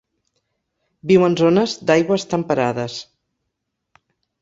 Viu en zones d'aigües temperades.